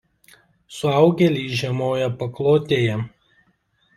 Suaugėliai žiemoja paklotėje.